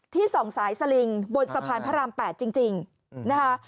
ส่องสายสลิงบนสะพานพระราม๘จริงนะคะ